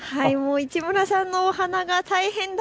市村さんのお鼻が大変だ